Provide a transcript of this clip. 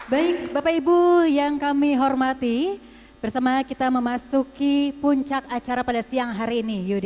baik bapak ibu yang kami hormati bersama kita memasuki puncak acara pada siang hari ini yudi